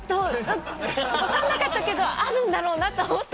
分かんなかったけどあるんだろうなと思って。